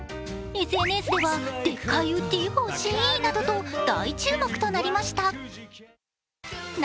ＳＮＳではでっかいウッディーほしいなど、大注目となりました。